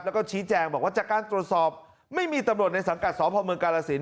แล้วก็ชี้แจงบอกว่าจากการตรวจสอบไม่มีตำรวจในสังกัดสพเมืองกาลสิน